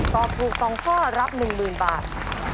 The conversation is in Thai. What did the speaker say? ตอบถูก๒ข้อรับ๑๐๐๐บาท